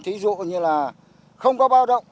thí dụ như là không có báo động